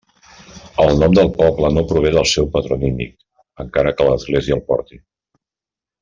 El nom del poble no prové del seu patronímic, encara que l'església el porti.